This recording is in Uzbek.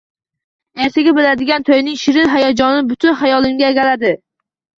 Ertaga bo`ladigan to`yning shirin hayajoni butun xayolimni egalladi